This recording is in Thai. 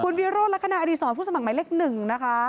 คุณวิโรทลักษณะอดีตส่วนผู้สมัครไม้เล็ก๑